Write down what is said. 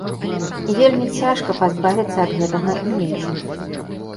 І вельмі цяжка пазбавіцца ад гэтага іміджу.